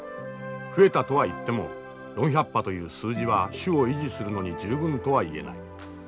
増えたとは言っても４００羽という数字は種を維持するのに十分とは言えない。